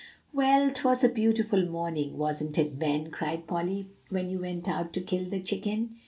"Well, 'twas a beautiful morning, wasn't it, Ben," cried Polly, "when you went out to kill the chicken?"